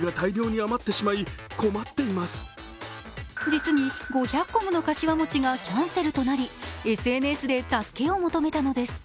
実に５００個ものかしわ餅がキャンセルとなりＳＮＳで助けを求めたのです。